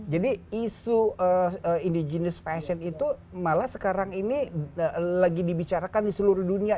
jadi isu indigenous fashion itu malah sekarang ini lagi dibicarakan di seluruh dunia